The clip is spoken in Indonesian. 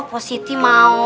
mpok siti mau